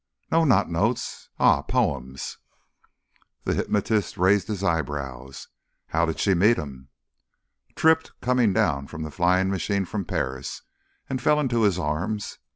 "No not notes.... Ah poems." The hypnotist raised his eyebrows. "How did she meet him?" "Tripped coming down from the flying machine from Paris and fell into his arms.